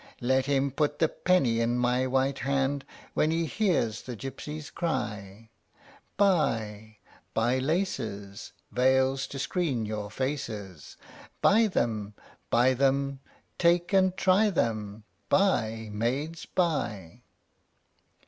Let him put the penny in my white hand When he hears the gypsies cry: "Buy, buy laces, Veils to screen your faces. Buy them, buy them, take and try them. Buy, maids, buy."